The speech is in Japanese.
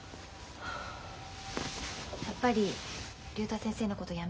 やっぱり竜太先生のことやめられないの？